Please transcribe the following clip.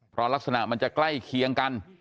เพราะลักษณะมันจะใกล้เคียงกัน